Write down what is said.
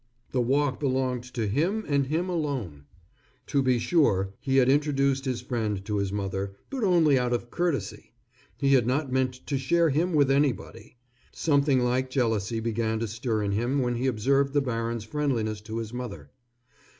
The walk belonged to him and him alone. To be sure, he had introduced his friend to his mother, but only out of courtesy. He had not meant to share him with anybody. Something like jealousy began to stir in him when he observed the baron's friendliness to his mother.